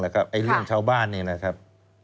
ไอ้เรื่องชาวบ้านนี้นะครับ